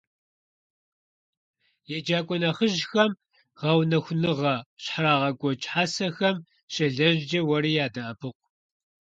ЕджакӀуэ нэхъыжьхэм гъэунэхуныгъэ щрагъэкӀуэкӀ хьэсэхэм щелэжькӀэ уэри ядэӀэпыкъу.